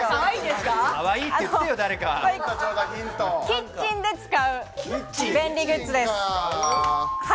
キッチンで使う便利グッズです。